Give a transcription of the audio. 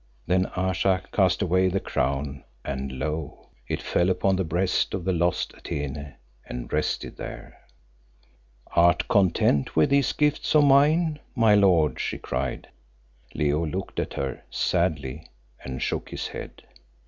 Then Ayesha cast away the crown and lo! it fell upon the breast of the lost Atene and rested there. "Art content with these gifts of mine, my lord?" she cried. Leo looked at her sadly and shook his head.